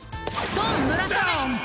「ドンムラサメ！」